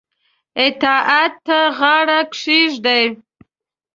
اطاعت ته غاړه کښيږدي.